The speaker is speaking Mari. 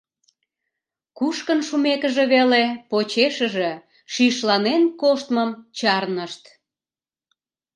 Кушкын шумекыже веле, почешыже шишланен коштмым чарнышт.